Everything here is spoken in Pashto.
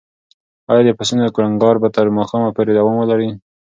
ایا د پسونو کړنګار به تر ماښامه پورې دوام ولري؟